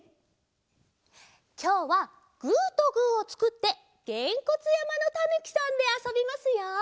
きょうはグーとグーをつくって「げんこつやまのたぬきさん」であそびますよ！